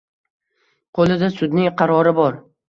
Qo`lida sudning qarori bor